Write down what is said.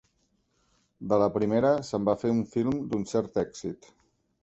De la primera se'n va fer un film d'un cert èxit.